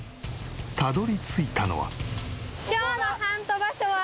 たどり着いたのは。